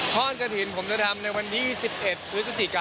ทอดกระถิ่นผมจะทำในวันนี้๑๑ฤษจิกายนครับ